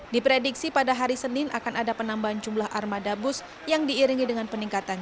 diprediksi pada hari senin akan ada penambahan jumlah armada bus yang diiringi dengan peningkatan